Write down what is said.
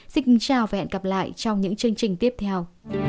xin kính chào và hẹn gặp lại trong những chương trình tiếp theo